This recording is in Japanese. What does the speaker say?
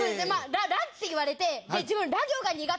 「ら」って言われて自分。